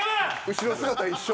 後ろ姿一緒。